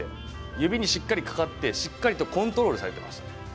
指にしっかりかかって、しっかりとコントロールされてましたね。